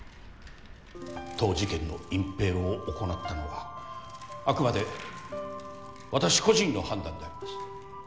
当事件の隠ぺいを行ったのはあくまで私個人の判断であります。